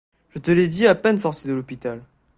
Je te l'ai dit à peine sorti de l'hôpital.